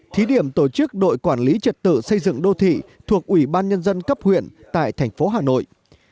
thí điểm tổ chức đội quản lý trật tự xây dựng đô thị thuộc ủy ban nhân dân cấp huyện tại thành phố hà nội